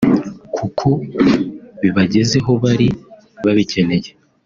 kuko bibagezeho bari babikeneye